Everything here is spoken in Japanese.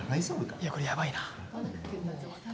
いやこれヤバいな。